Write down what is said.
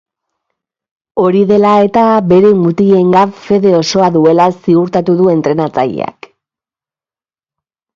Hori dela eta bere mutilengan fede osoa duela ziurtatu du entrenatzaileak.